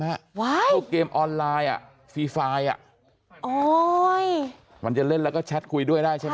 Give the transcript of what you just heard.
เข้าเกมออนไลน์อ่ะฟรีไฟล์อ่ะโอ้ยมันจะเล่นแล้วก็แชทคุยด้วยได้ใช่ไหม